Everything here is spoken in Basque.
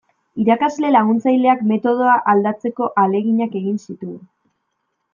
Irakasle laguntzaileak metodoa aldatzeko ahaleginak egin zituen.